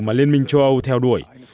mà liên minh châu âu theo đuổi